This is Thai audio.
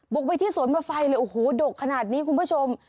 กไปที่สวนมาไฟเลยโอ้โหดกขนาดนี้คุณผู้ชม